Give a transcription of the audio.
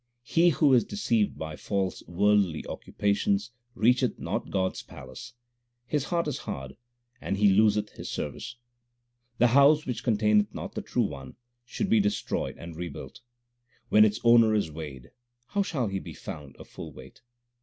He who is deceived by false worldly occupations reach eth not God s palace : His heart is hard and he loseth his service. The house which containeth not the True One, should be destroyed and rebuilt. When its owner is weighed, how shall he be found of full weight